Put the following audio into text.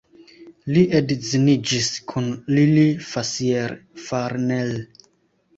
Li edziniĝis kun Lili Fassier-Farnell.